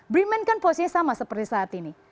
bremen kan posisinya sama seperti saat ini